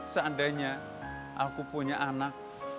seandainya aku punya anak